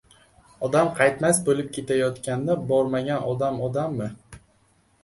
Odam qaytmas bo‘lib ketayotganda bormagan odam odammi...